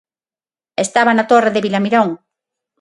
Estaba na Torre de Vilamirón.